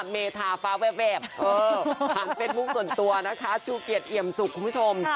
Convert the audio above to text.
เมธาฟ้าแวบผ่านเฟสบุ๊คส่วนตัวนะคะชูเกียจเอี่ยมสุกคุณผู้ชม